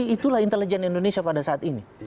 itulah intelijen indonesia pada saat ini